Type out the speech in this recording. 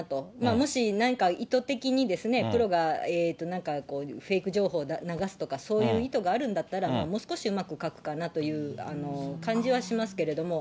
もし何か意図的にプロがなんかこう、フェイク情報を流すとか、そういう意図があるんだったら、もう少しうまく書くかなという感じはしますけれども。